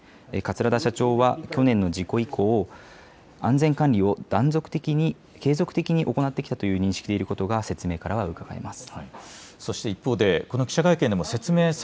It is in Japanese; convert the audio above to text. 桂田社長は去年の事故以降、安全管理を断続的に継続的に行ってきたという認識であることが説明からうかがえます。